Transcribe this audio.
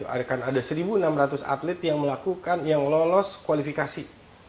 akan ada satu enam ratus atlet yang melakukan yang lolos kualifikasi